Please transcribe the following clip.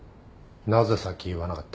なぜさっき言わなかった？